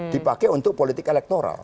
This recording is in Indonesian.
dipakai untuk politik elektoral